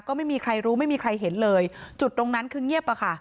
ก็ไม่มีใครรู้ไม่มีใครเห็นเลยจุดตรงนั้นคือเงียบอะค่ะ